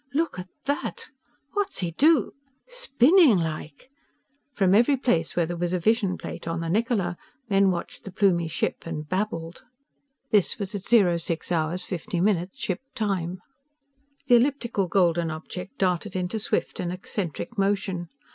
"Look at that!" "_What's he do _" "_Spinning like _" From every place where there was a vision plate on the Niccola, men watched the Plumie ship and babbled. This was at 06 hours 50 minutes ship time. The elliptical golden object darted into swift and eccentric motion.